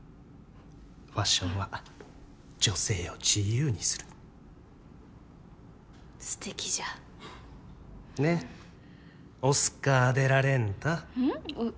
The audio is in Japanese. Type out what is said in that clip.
ファッションは女性を自由にするの素敵じゃねえオスカー・デ・ラ・レンタうん？